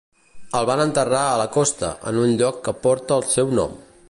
El van enterrar a la costa, en un lloc que porta el seu nom.